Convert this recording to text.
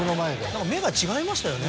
何か目が違いましたよね。